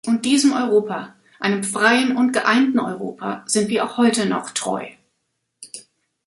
Und diesem Europa einem freien und geeinten Europa sind wir auch heute noch treu.